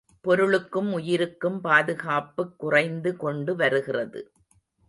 பொருளுக்கும் உயிர்க்கும் பாதுகாப்புக் குறைந்து கொண்டு வருகிறது.